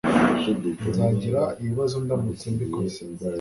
nzagira ibibazo ndamutse mbikoze